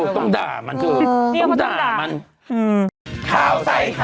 ยังไงครับก่อนจะวางชิงด่ามันก่อน